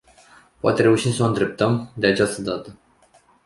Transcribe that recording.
Poate reușim să o îndreptăm, de această dată.